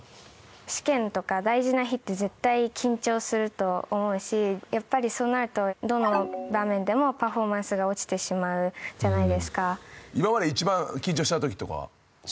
試験とか大事な日って絶対緊張すると思うしやっぱりそうなるとどの場面でもパフォーマンスが落ちてしまうじゃないですか。